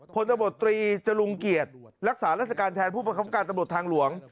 ผลตำรวจตรีจรุงเกียรติรักษาราชการแทนผู้ประคับการตำรวจทางหลวง